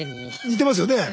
似てますよね。